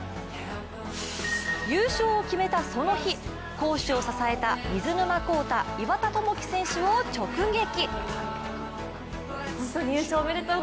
優勝を決めたその日、攻守を支えた水沼宏太、岩田智輝選手を直撃。